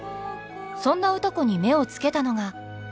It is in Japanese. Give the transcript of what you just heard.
そんな歌子に目をつけたのが。